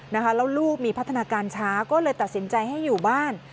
แล้วลูกมีพัฒนาการช้าก็เลยตัดสินใจให้อยู่บ้าน